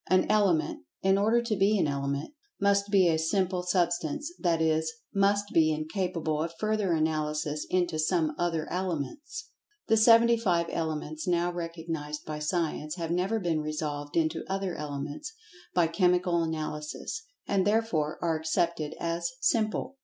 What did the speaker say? An Element (in order to be an element) must be a "simple" substance, that is, must be incapable of further analysis into some other elements. The seventy five elements, now recognized by science, have never been resolved into other elements, by chemical analysis, and therefore are accepted as "simple."